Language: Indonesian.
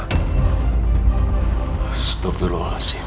semua pengobatan papa surya sudah dibayarkan sama adik baran ma